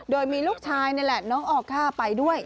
โดยมีลูกชายนี่แหละน้องออก้าไปด้วย